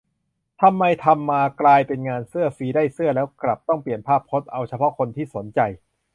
ทำไมทำมากลายเป็นงานเสื้อฟรี ได้เสื้อแล้วกลับ; ต้องเปลี่ยนภาพพจน์ เอาเฉพาะคนที่สนใจ